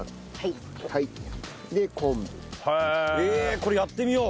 これやってみよう。